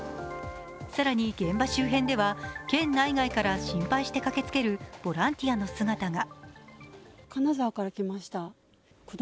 更に現場周辺では県内外から心配して駆けつけるボランティアの姿が。